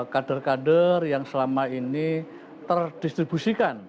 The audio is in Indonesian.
kader kader yang selama ini terdistribusikan